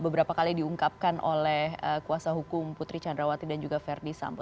beberapa kali diungkapkan oleh kuasa hukum putri candrawati dan juga verdi sambo